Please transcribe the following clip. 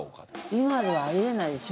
今ではあり得ないでしょ。